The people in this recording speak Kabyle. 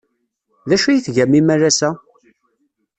D acu ay tgam imalas-a?